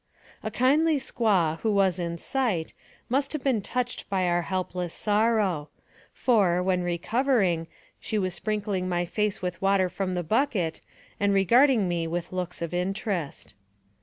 A kindly squaw, who was in sight, must have been touched by our helpless sorrow ; for, when recovering, she was sprinkling my face with water from the bucket, and regarding me with looks of interest.